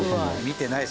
見てない。